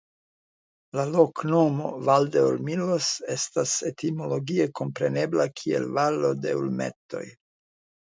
La loknomo "Valdeolmillos" estas etimologie komprenebla kiel Valo de Ulmetoj.